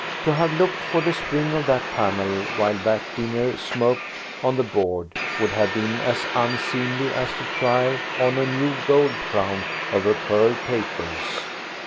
To have looked for the spring of that panel while that dinner smoked on the board would have been as unseemly as to try on a new gold crown over curl papers.